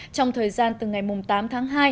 trong thời gian từ ngày tám tháng hai